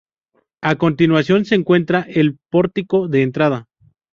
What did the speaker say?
A continuación se encuentra el pórtico de entrada.